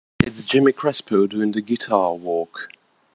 It's Jimmy Crespo doing the guitar work.